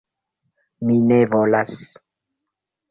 Mi ne volas!